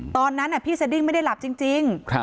ตอนนั้นพี่สดิ้งไม่ได้หลับจริง